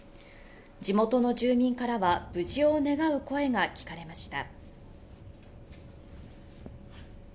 地元の住民からは無事を願う声が聞かれました。